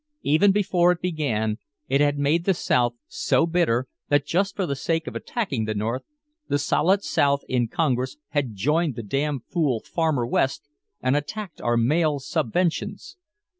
Even before it began it had made the South so bitter that just for the sake of attacking the North the Solid South in congress had joined the damn fool Farmer West and attacked our mail subventions.